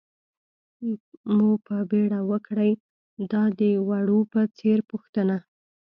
مو په بېړه وکړئ، دا د وړو په څېر پوښتنه.